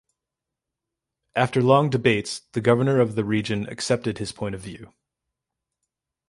After long debates, the governor of the region accepted his point of view.